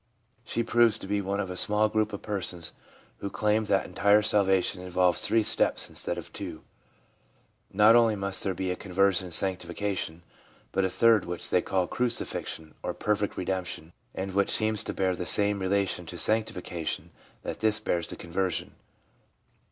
She proved to be one of a small group of persons who claim that entire salvation involves three steps instead of two ; not only must there be conversion and sanctifi cation, but a third which they call ' crucifixion ' or 1 perfect redemption/ and which seems to bear the same relation to sanctification that this bears to conversion.